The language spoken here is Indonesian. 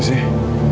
bisa gitu sih